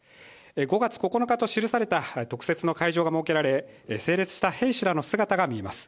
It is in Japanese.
５月９日と記された特設の会場が設けられ、整列した兵士らの姿が見えます。